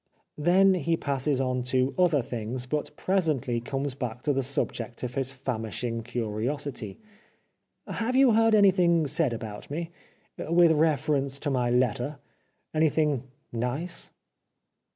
Then he passes on to other things, 409 The Life of Oscar Wilde but presently comes back to the subject of his famishing curiosity. " Have you heard any thing said about me, with reference to my letter ? Anything nice